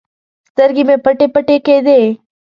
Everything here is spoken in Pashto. سترګې مې پټې پټې کېدې.